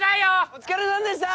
お疲れさんでした